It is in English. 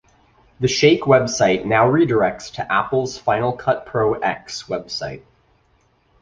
The Shake website now redirects to Apple's Final Cut Pro X website.